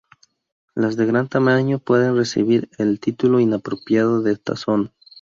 Las de gran tamaño pueden recibir el título inapropiado de tazón.